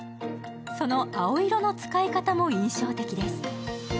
その青色の使い方も印象的です。